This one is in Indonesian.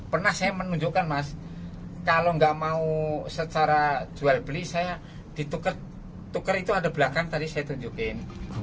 pernah saya menunjukkan mas kalau nggak mau secara jual beli saya ditukar tukar itu ada belakang tadi saya tunjukin